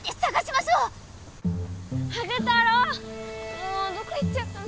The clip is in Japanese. もうどこ行っちゃったの。